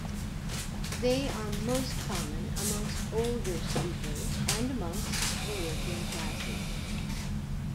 They are most common amongst older speakers and amongst the working classes.